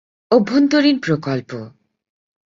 অভ্যন্তরীণ প্রকল্প